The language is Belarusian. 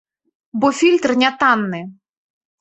Бо фільтр не танны.